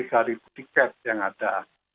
dari satu ratus tiga puluh tiga tiket yang ada